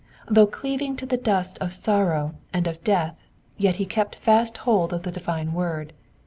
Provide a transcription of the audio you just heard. Though cleaving to the dust of sorrow and of death, yet he kept fast hold of the divine word.